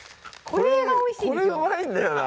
これがうまいんだよな